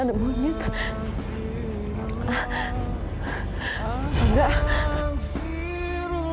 pergi jangan ganggu anak saya